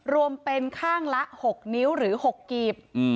รวมเป็นข้างละ๖นิ้วหรือ๖กีบ